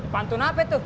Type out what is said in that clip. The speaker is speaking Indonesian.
pantun apa itu